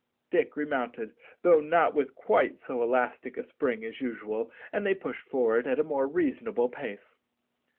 Dick remounted, though not with quite so elastic a spring as usual, and they pushed forward at a more reasonable pace.